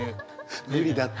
無理だって。